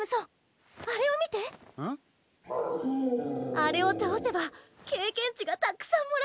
あれをたおせば経験値がたくさんもらえるよ！